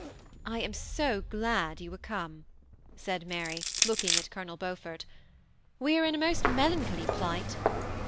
''I am so glad you are come," said Mary, looking at Colonel Beaufort; '<we are in a most melancholy plight."